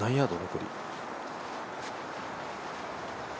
残り。